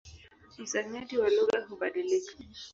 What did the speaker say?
Msamiati wa lugha hubadilika.